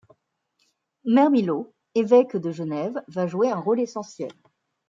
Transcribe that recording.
Mermillod, évêque de Genève, va jouer un rôle essentiel.